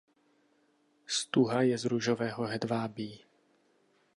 Stuha je z růžového hedvábí.